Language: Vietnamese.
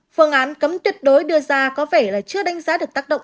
phương án cấm tuyệt đối đưa ra có vẻ là chưa đánh giá được tác động